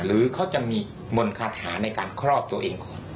หรือเขาจะมีมนต์คาถาในการครอบตัวเองก่อน